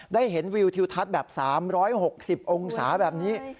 ได้เห็นวิวทิวทัศน์แบบ๓๖๐องศาแบบนี้